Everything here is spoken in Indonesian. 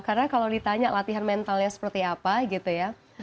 karena kita banyak latihan mentalnya seperti apa gitu ya